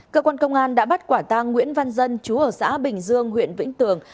cơ quan công an đã bắt quả tang nguyễn văn dân chú ở xã bình dương huyện vĩnh tường